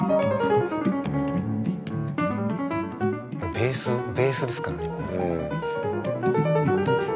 ベースベースですからね。